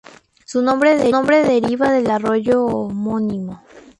Su nombre deriva del arroyo homónimo.